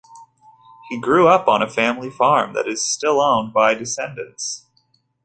He grew up on a family farm that is still owned by descendants.